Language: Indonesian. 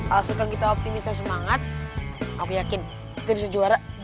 kalau suka kita optimis dan semangat aku yakin kita bisa juara